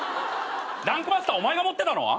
『ランクマスター』お前が持ってたの？